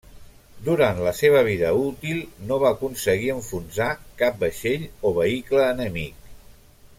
Durant la seva vida útil, no va aconseguir enfonsar cap vaixell o vehicle enemic.